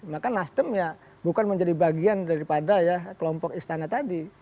maka nasdem ya bukan menjadi bagian daripada ya kelompok istana tadi